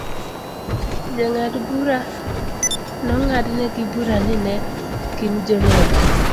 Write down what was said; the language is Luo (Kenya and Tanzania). Jang'ad bura nong'adnegi bura ni ne gin jonek.